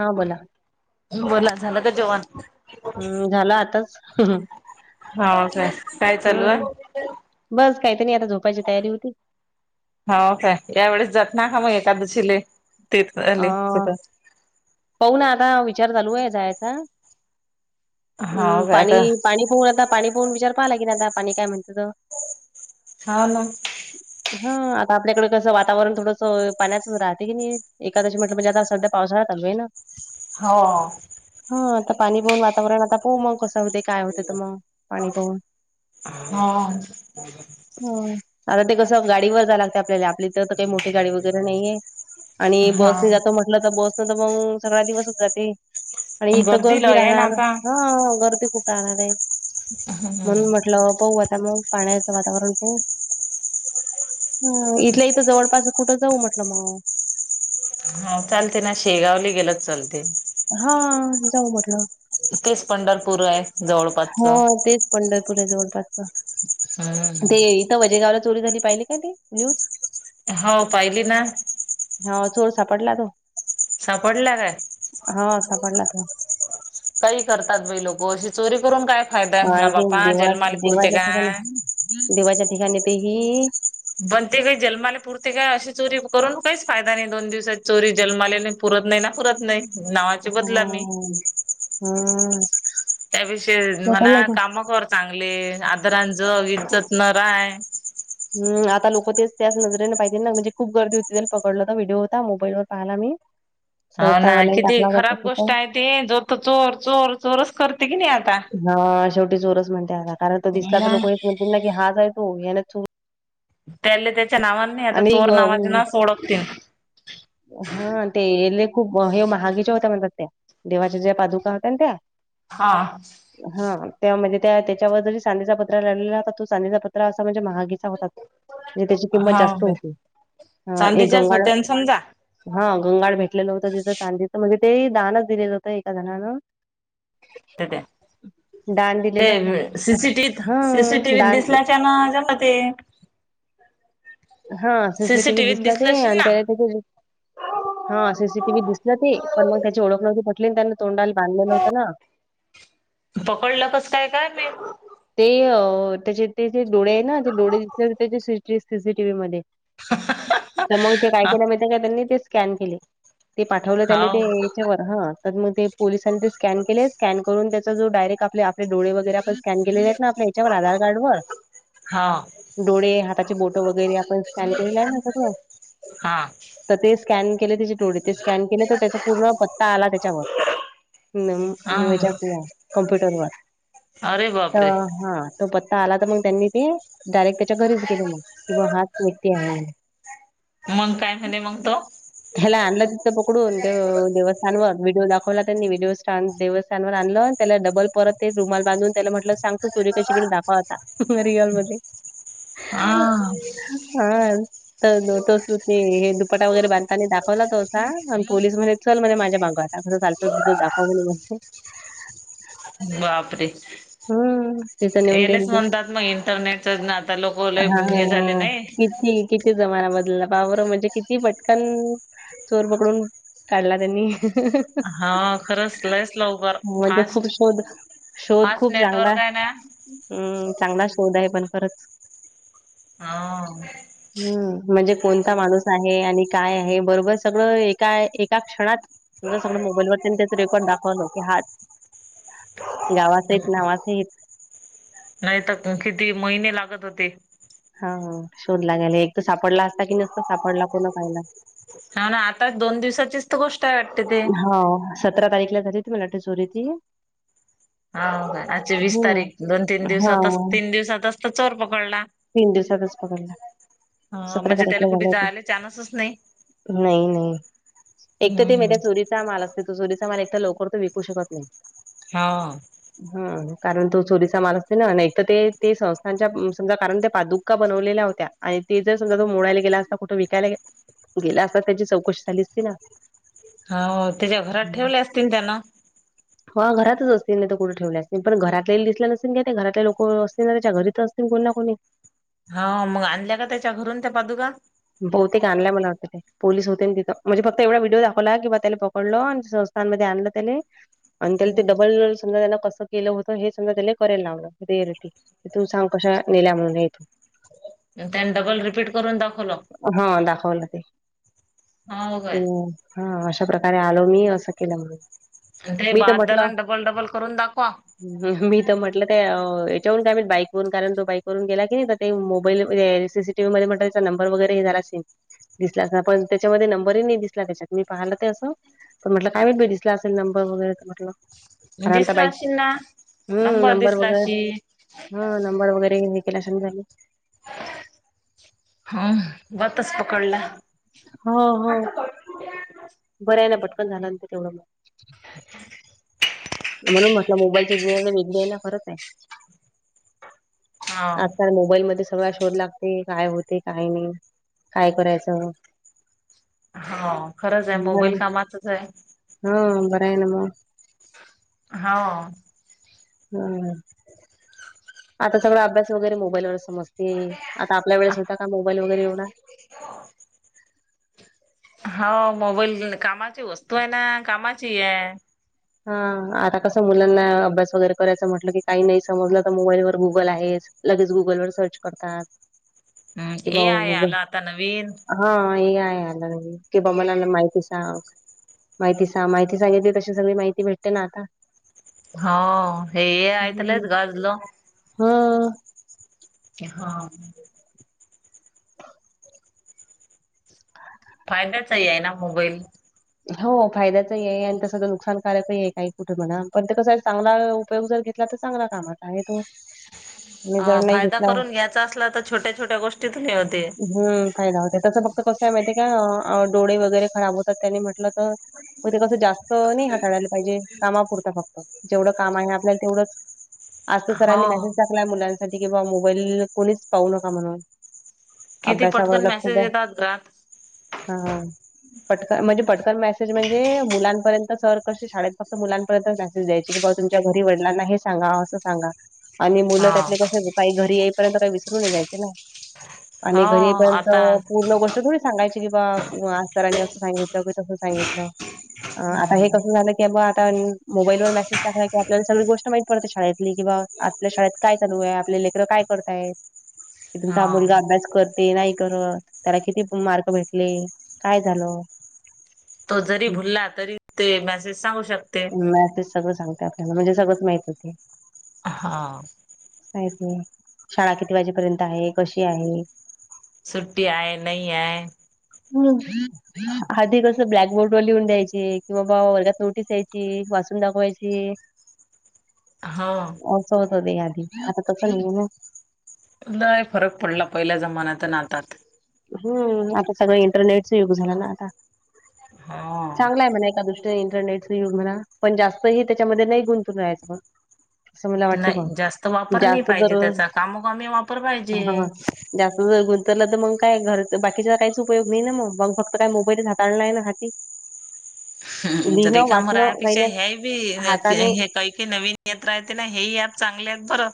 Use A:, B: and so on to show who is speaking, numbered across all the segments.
A: हां बोला.
B: बोला झालं का जेवण?
A: हम्म झालं आताच
B: हो झालं काय चालू
A: हम्म
B: आहे?
A: बस काहीतं नाही आता झोपायची तयारी होती.
B: हो काय यावेेळेस जात नाह हा मग एकादशीले तीर्थले कुटं?
A: पाहूना आता विचार चालू आहे जायचा, अम्
B: काय
A: पाणी
B: आता
A: पाणी पाहून आता पाणी पाहून विचार पाहला लागेल आता पाणी काय म्हणते तं.
B: [unintelligible]
A: हां आता आपल्याकडे कसं वातावरण थोडंस पाण्याचंच राहते की नाही? एकादशी म्हटलं म्हणजे सध्या पावसाळा चालू आहे ना?
B: हो
A: हा आता पाणी पहून वातावरण आता प मग कसं होते काय होते तर मग पाणी बहून
B: हा
A: आता ते कसं गाडी वर जाया लागते आपल्याला आपली इथं तर काही मोठी गाडी वगैरे नाहीये. आणि
B: हा
A: बसनी जातो म्हटलं तर बसने तर मग सगळा दिवसच जाते. आणि एक तर गर्दी
B: लय आहे ना
A: राहणार
B: आता.
A: हा गर्दी खूप राहणार आहे
B: हम्म
A: म्हणून म्हटलं पाऊ आता मग पाण्याचं वातावरण प ह इथल्या इथं जवळपास कुठं जाऊ म्हटलं मग
B: हा चालते ना शेगावली गेलच चालते
A: हा जाऊ म्हटलं
B: तेच पंढरपूर आहे
A: हो
B: जवळपासचं.
A: तेच पंढरपूर आहे जवळपासच
B: हम्म
A: ते
B: ह
A: इथं वजेगावला चोरी झाली पाहिली का त न्यूज
B: होव, पाहिली ना.
A: होव, चोर सापडला तो?
B: सापडला काय?
A: हा सापडला त्यो.
B: काही करतात, बाई लोक अशी चोरी करून काय फायदा य
A: हा
B: म्हणा
A: ते
B: बापा
A: देवा
B: जलमाल पुरते
A: देवाच्या
B: काय?
A: ठिकाणी देवाच्या ठिकाणी ते ही
B: पण ते काही जन्माले पुरते काय, अशी चोरी करून काहीच फायदा नाही दोन दिवसात चोरी जन्माले पुरत नाही ना पुरत नाही, नावाची बदलामी.
A: हम ह.
B: त्या विषय म्हणा काम कर चांगले, आदरांज इज्जत न राय
A: हम आता लोक तेच त्याच नजरेने पाहितील ना म्हणजे खूप गर्दी होती, त्यांनी पकडलं होता व्हिडिओ होता, मोबाईलवर पाहायला मी.
B: [inaudible] हा ना
A: संस्कारवाल्यांनी
B: किती
A: टाकला होता तो
B: खराब गोष्ट
A: तिथं
B: आहे, ती जो तो चोर चोर चोरचं करते की नाही आता
A: हा शेवटी चोरच म्हणते, आता कारण तर दिसला तर
B: मग
A: लोक हेच म्हणतील, ना की हाच हाय चोर याने
B: त्याले त्याच्या नावानी आता
A: आणि
B: चोर नावासना
A: ग-
B: ओळखतील.
A: हा ते येले खूप हे महागेच्या होत्या म्हणताय, त्या. देवाच्या ज्या पादुका होत्या, ना त्या
B: हा
A: हा त्या म्हणजे त्याच्यावर जरी चांदीचा पत्रा लाढलेला होता, तो चांदीचा पत्र असा म्हणजे महागीचा होता, तो.
B: हा ब
A: हा, एक
B: चांदीच्याच
A: गंगाळ
B: होत्या समजा
A: हा घंगाड भेटलेलं होतं, तिथं चांदीचं म्हणजे ते दानचं दिलेलं होतं, एका जणानं
B: त त्या
A: दान
B: ते
A: दिलेलं
B: सीसीटी
A: हा
B: टिव्हित सीसीटी टिव्हित
A: दान
B: दिसल्याच्या मा ज्या मते.
A: हा सीसीटी व्हीत
B: सीसीटीव्हीत
A: दिसला, ते
B: दिसलं असशील
A: आणि
B: ना
A: त्याला हा सीसीटीव्ही दिसल ते पण मग त्याची ओळख नव्हती, पटली त्यानी तोंडाला बांधलेलं होत ना.
B: पकडलं कस काय काय माहित?
A: ते त्याचे ते जे डोळे आहे, ना ते डोळे दि -त्या सीसीटीव्ही मध्ये. तर मग ते काय केल माहित हाय, काय त्यांनी ते स्कॅन केलं. ते पाठवलं त्यांनी
B: हाव
A: ते [unintelligible] ह तर मग ते पोलिसांनी ते स्कॅन केले, स्कॅन करून त्याचा जो डायरेक्ट आपले- आपले डोळे वगैरे स्कॅन केले हायत ना आपल्या याच्यावर आधार कार्ड वर
B: हा.
A: डोळे, हाताची बोट वगैरे आपण स्कॅन केलेलं आहे ना, सगळं.
B: हा.
A: तर ते स्कॅन केले ति डोळे ते स्कॅन केले, तर त्याचा पूर्ण पत्ता आला त्याच्यावरच
B: हा
A: [unintelligible] कमप्यूटरवर
B: अरे
A: त
B: बापरे
A: हा. तो पत्ता आला तर मग त्यांनी ते डायरेक्ट त्याच्या घरीच गेले, मग की बा हाच व्यक्ती आहे म्हणून.
B: मग काय, म्हले मग तो?
A: ह्याला आणलं तिथं पकडून ते देवस्थानवर व्हिडिओ दाखवला, त्यांनी व्हिडिओ स्थान देवस्थानवर आणलं. त्याला डबल परत, ते रुमाल बांधून त्याला म्हटलं सांग तु चोरी कशी केली दाखव, आता रिअल मध्ये.
B: आ [unintelligible]
A: [unintelligible] तर तो ते हे दुपटा वगैरे बांधताना दाखवला, तो तसा आणि पोलीस म्हणे चल म्हणे माझ्या मागं [unintelligible] कसं [unintelligible] दाखव म्हण व्यवस्थित.
B: बापरे!
A: हम्म तिथं नेऊन दे
B: यालेच म्हणतात, मग इंटरनेटच आता लोक ल हे झाले नाही.
A: क किती जमाना बदलला बावर म्हणजे, किती पटकन चोर पकडून काढला त्यांनी
B: हा खरंच लईस लवकर
A: म्हणजे खूप
B: फास्ट
A: शोध शोध
B: फास्ट
A: खूप चांगला
B: नेटवर्क आहे ना
A: हम् चांगला शोध आहे पण खरंच
B: हा
A: हम्म म्हणजे कोणता माणूस आहे आणि काय आहे बरोबर सगळं एका एका क्षणात सगळं मोबाईल वरती त्याच रेकॉर्ड दाखवलं की हात गावात नवा सहित
B: नाही तर किती महिने लागत होते
A: हा शोधलागेयला एक तर सापडला असता की नसता सापडला कोण खयला
B: हा ना आता दोन दिवसाचीच तर गोष्ट आहे वाटते ते
A: हो सतरा तारीखला झाली त मराठी चोरी ती
B: हो आजची वीस
A: हं.
B: तारीख दोन तीन दिवसात
A: हो.
B: तीन दिवसात असत चोर पकडला
A: तीन दिवसागच पकडला
B: ह
A: सत्रक
B: म्हणजे
A: इथ
B: त्याला कुठे
A: झालं हो
B: जायला चान्सच नाही.
A: नाही नाही एक तर ते
B: हम्म
A: मा चोरीचा माल असते तो चोरीचा माल एक तर लवकर तो विकू शकत नाही
B: हा
A: हा कारण तो चोरीचा माल असते ना नाही तर ते संस्थांच्या समजा कारण ते पादुक का बनवलेल्या होत्या आणि ते जर समजा तो मोडाला गेला असताुठं विकायला गे गेला असता त्याची चौकशी झाली अस त ना
B: हो त्याच्या घरात ठेवले असतील त्यांना
A: ह घरातच असतील ना तर कुठं ठेवल्याच नाही पण घरातले दिसल्या नसेन का ते घरातले लोक असतील ना त्याच्या घरीच अस त को ना कोणी
B: हा मग आणल्या का त्याच्या घरून त्या पादुकाा
A: बहुतेक आणल्याय मला वाटतं ते पोललीस होते आणि तिथं म्हणजे फक्त एवढा व्हिडिओ दाखवला किंवा त्याला पकडल आणि संस्थांमध्ये आणलं त्याने आणि त्याला ते डबलडोल समजा त्यांना कसं केलं होतं हे समजा त्यानी करायला लावलं रिअलिटी तुम सांग कशा नेल्या म्हणूनथो
B: ग त्यांनी डबल रिपीट करून दाखवलं
A: हा दाखवला ते
B: हाव काय
A: ह् हा अशा प्रकारे आलो मी असं केलं म्हणून
B: आणि ते
A: मी तर म्हटलं
B: बारदरण डबल डबल करून दाखवा
A: मी तर म्हटलं ते याच्यावरून कायम बाईक वून कारण तो बाईकवरून गेला की नाही ते मोबाईल सीसीटीव् मध्ये म्हटलं त्याचा नंबर वगैरे हे झाला सेम दिसला अस पण त्याच्यामध्ये नंबरही नाही दिसला त्याच्यात मी पाहिलं ते असं तर म्हटलं काय वाट भे दिसला असे नंबर वगैरे तर म्हटलं खर
B: दिसला
A: बाईक
B: अशील ना.
A: हम्म नंबर
B: दिसला
A: वगैरे
B: अशील
A: ह नंबर वगैरे हे केला सम झाली
B: हा वाातच पकडला
A: हो हो बरं ना पटकन झालं नंतर तेवढं म्हणून म्हटलं मोबाईलच्या व वे द्यायला खरत आहे
B: हाव.
A: आजकाल मोबाईलमध्येध्ये सगळा शोध लागते काय होते काय नाही काय करायचं
B: होा खरंच आहे मोबाईल
A: बरं
B: कामाातच आहे
A: हा बरयनम
B: हा
A: हम्म आता सगळा अभ्यास वगैरे मोबाईल व समजते आता आपल्या वेळेस होता का मोबाईल वगैरे एवढा
B: होा मोबाईल कामाची वस्तू आहे ना कामाची आहे
A: हा आता कसं मुलांना अभ्यास वगैरे करायचं म्हटलं की काही नाही समजलं तर मोबाईल व गुगल आहेच लगेच गुगलवरर सर्च करतात
B: हम्म
A: कि
B: ए
A: बा
B: आहे
A: गुगल
B: आला आता नवीन
A: हा हे आहे आलं कि बा मला माहिती सांग माहिती सां माहिती सांगितली तशी सगळी माहिती भेटते ना आता
B: हो हे य तलंच गाजलं.
A: हा.
B: हा. फायद्याचाही आहे ना मोबाईल.
A: हो फायद्याचही आहे आणि तस नुकसानकारकही आहे. काही कुठे म्हणा पण ते कसा चांगला उपयोग जर घेतला तर चांगला कामचा आहे तो. आणि जर
B: ह
A: नाही
B: फायदा
A: घेतला
B: करून घ्यायचा असला तर छोट्या छोट्या गोष्टीत नाही होते.
A: हम् फायदा होत तसं फक्त कसं आहे माहितीय का डोळे वगैरे खराब होतात त्यांनी म्हट तर ते कसं जास्त नाही हाताळायला पाहिजे कामापुरत फक्त जेवढं काम आहे आपल्याला तेवढंच आज तर
B: हो
A: सरांनी मेसेज टाकला मुलांसाठी कि बा मोबाईल कोणीच पाहू नका म्हणून
B: किती
A: अभ्यासावरर
B: पटकन
A: लक्ष
B: मेसेज
A: द्या
B: येतात घरात
A: हा पटका म्हणजे पटकन मेसेज म्हणजे मुलांपर्यंत सर क शाळेत फक्त मुलांपर्यंत मेसेज द्यायची की बा तुमच्या घरी वडलां सांगा असं सांगा आणि मुलं
B: हा
A: त्यातले क काही घरी येईपर्यंत काही विसरून नाही जायचे ना.
B: हो
A: आणि घरी येपर्यंत
B: आता
A: पूर्ण गोष्ट [unintelligible] ुडी सांगायची कि बा असरांनी असं सांगायच. सगित आता हे
B: हम्म
A: झा कं आता मोबाईल वर मेसेज टाकय की आपल्याला सगळी गोष्ट माहिती पडते. शाळेतली किंवा आपल्या शाळेत काय चालू आहे आपले लेकर काय करताय की तुमचा हा मुलगा अभ्यास कर ते नाही करत त्याला किती मार्ग भेटले काय झालं.
B: तो जरी भुलला तरी ते मेसेज सांगू शकते.
A: मॅसेज सगळ सांगतात. म्हणजे सगळच माहित होते.
B: हा.
A: शाळा किती वाजेपर्यंत आहे कशी आहे.
B: सुुट्टी आहे नाही आहे.
A: हम्. आधी कसं ब्लॅकबोर्ड व लिहून द्यायचे किंवा बा वर्गात नोटीस या्यायची वाचून दाखवायची.
B: हा.
A: होत होते या आधी आता कसं नाही.
B: दाय फरक पडला पहिल्या जमान्यात नातात.
A: हम्म आता सगळं इंटरनेटच युग झाला ना आता
B: हा.
A: चांगला आहे म्हणा. एका दृष्टीने इंटरनेटच युग म्हणा पण जास्त ह त्याच्यामध्ये नाही गुंतून राहायचं मग
B: नाही जास्त वापर नाही
A: जास्त
B: पाहिजे
A: जर
B: त्याचा कामोकामीे वापर पाहिजे.
A: ह जास्त जर गुंतल तर मग काय घरच बाकीचा काहीच उपयोग नाही ना, मग मग फक्त काय मोबाईल हाताळलाय ना हाती.
B: हम् तर
A: लिहिणं
B: रेखाम
A: वाचणं काही
B: राहापेक्षा
A: नाही
B: ह्या बी हे
A: हाताने
B: काही काही नवीन येत राहते ना हे ह ऍप चांगले आहेत बरं.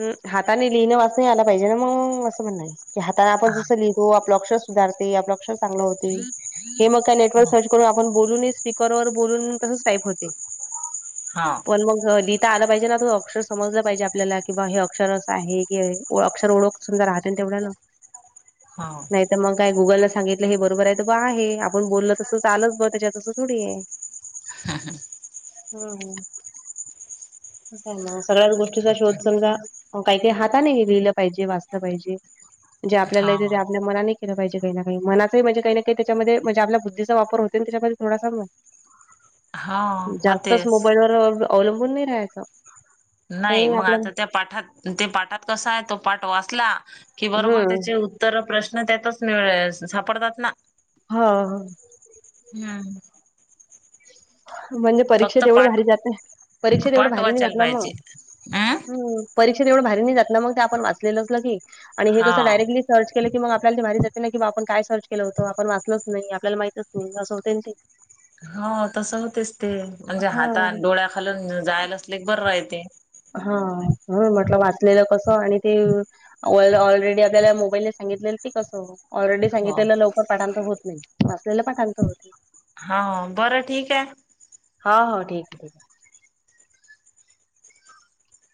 A: ह हाताने लिहिणं वाचने आला पाहिजे ना मग असं म्हणण. की हाताने आपण जसं लिहितो, आपलं अक्षर सुधारते आपलं लक्ष चांगलं होते. हे मग काय नेटवर सर्च करून आपण बोलून स्पीकरवर बोलून तसच टाईप होते.
B: हा.
A: पण मग लिहिता आलं पाहिजे ना, त अक्षर समजलं पाहिजे आपल्याला कि बा हे अक्षर असं आहे की अक्षर ओळख समधा राहते तेवढ्याला
B: हा.
A: नाही तर मग काय गुगलला सांगितलं हे बरोबर आहे तर ब आहे. आपण बोलल तसं चालच ब त्याच्यात तसं थोडी आहे.
B: ह.
A: सगळ्याच गोष्टीचा शोध चलग काही काही हाताने बी लिहिलं पाहिजे वाचलं पाहिजे. जे आपल्याला येते
B: हा
A: ते आपल्या मनाने केलं पाहिजे काही ना, काही मनाचंही म्हणजे काही ना, काही त्याच्यामध्ये म्हणजे आपल्या बुद्धचा वापर होतेन त्याच्यामध्ये. एवढा सजम [unintelligible]
B: हा.
A: जास्तच
B: होतेच.
A: मोबाईलवर अवलंबून नाही राहायच.
B: नाही म आता त्या पाठात ते पाठात कसा आहे तो पाठ वाचला कि बरोबर
A: हं.
B: त्याचे उत तर प्रश्न त्यातच मिळ सापडतात ना.
A: हो हो.
B: हम्म.
A: म्हणजे
B: फक्त
A: परीक्षेत एवढं
B: पाठ
A: भारी जाते परीक्षेत एवढं
B: पाठ
A: भारी नाही जात
B: वाचायला
A: ना म
B: पाहिजे. अं
A: हम परीक्षेत एवढं भारी नाही जातलं मंग ते आपण वाचलेलं असल की आणि हे
B: हा
A: कसं डायरेक्टली सर्च केलं की मंग आपल्याला ते भारी जातेना कि बुआ आपण काय सर्च केलं होतं आपण वाचलंच नाही आपल्याला माहितच नाही असं होतयन ते.
B: हो तसं होतेच ते म्हणजे
A: हां.
B: हातान डोळ्याखालून जायल असले क बरं रायहते.
A: हा ह म्हटलं वाचलेलं कसं आणि ते. ऑल ऑलरेडी आपल्याला मोबाईलने सांगितले की कसं ऑलरेडी
B: हो.
A: सांगितलेलं लवकर पाठांतर होत नाही वाचलेलं पाठांतर होते.
B: हा बरं ठीक आहे.
A: हा हो ठीक हे ठीक हे.